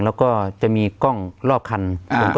แล้วก็จะมีกล้องรอบคัน